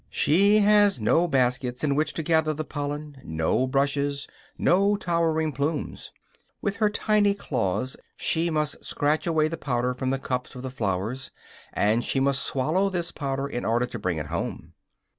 She has no baskets in which to gather the pollen, no brushes, no towering plumes. With her tiny claws she must scratch away the powder from the cups of the flowers; and she must swallow this powder in order to bring it home.